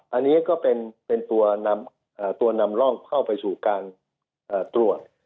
อันนี้ก็เป็นตัวนำร่องเข้าไปสู่การตรวจ